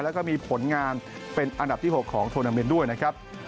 แล้วก็มีผลงานเป็นอันดับที่๖ของโทนาเมนต์ด้วยนะครับ